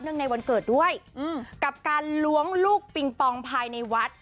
ในวันเกิดด้วยกับการล้วงลูกปิงปองภายในวัด